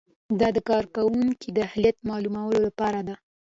دا د کارکوونکي د اهلیت معلومولو لپاره ده.